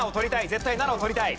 絶対７を取りたい。